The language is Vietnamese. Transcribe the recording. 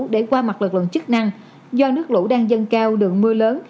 để qua mặt lực lượng chức năng do nước lũ đang dâng cao đường mưa lớn